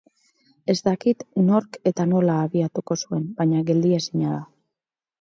Ez dakit nork eta nola abiatuko zuen baina geldiezina da.